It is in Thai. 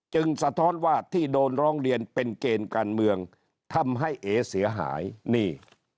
สะท้อนว่าที่โดนร้องเรียนเป็นเกณฑ์การเมืองทำให้เอ๋เสียหายนี่